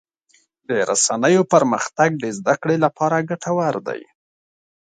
د رسنیو پرمختګ د زدهکړې لپاره ګټور دی.